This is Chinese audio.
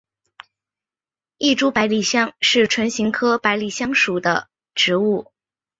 异株百里香是唇形科百里香属的植物。